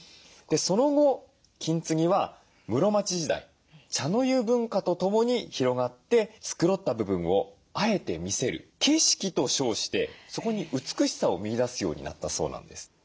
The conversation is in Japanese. その後金継ぎは室町時代茶の湯文化とともに広がって繕った部分をあえて見せる「景色」と称してそこに美しさを見いだすようになったそうなんです。